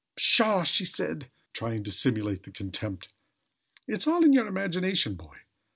"Pshaw!" she cried, trying to simulate contempt. "It's all in your imagination, boy.